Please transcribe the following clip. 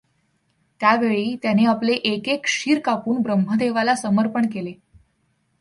त्यावेळी त्याने आपले एक एक शिर कापून ब्रह्मदेवाला समर्पण केले.